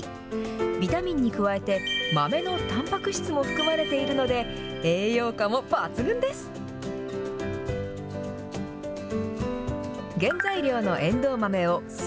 ビタミンに加えて、豆のたんぱく質も含まれているので、栄養価も抜群です。